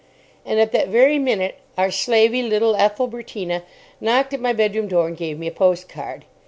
And at that very minute our slavey, little Ethelbertina, knocked at my bedroom door and gave me a postcard.